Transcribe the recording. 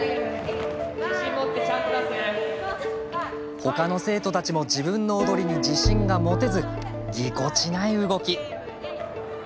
ほかの生徒たちも自分の踊りに自信が持てずぎこちない動き。